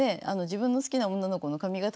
自分の好きな女の子の髪形